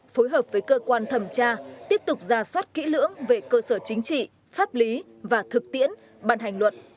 phối hợp với cơ quan thẩm tra tiếp tục ra soát kỹ lưỡng về cơ sở chính trị pháp lý và thực tiễn bàn hành luật